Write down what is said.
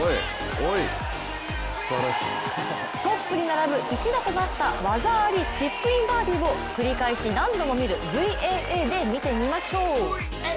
トップに並ぶ一打となった技ありチップインバーディーを繰り返し何度も見るＶＡＡで見てみましょう。